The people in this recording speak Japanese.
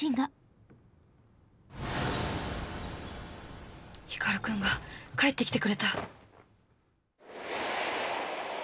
心の声光くんが帰ってきてくれた！